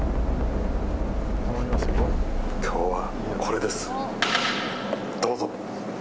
今日はこれです、どうぞ。